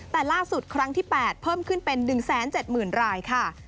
แต่ล่าสุดครั้งที่๘เพิ่มขึ้นเป็น๑๗๐๐รายค่ะ